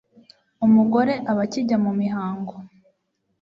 umugore aba akijya mu mihango